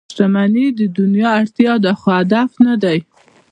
• شتمني د دنیا اړتیا ده، خو هدف نه دی.